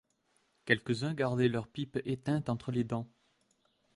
Quelques-uns gardaient leurs pipes éteintes entre les dents.